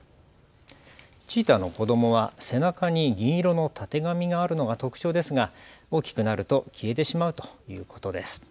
チーターの子どもは背中に銀色のたてがみがあるのが特徴ですが大きくなると消えてしまうということです。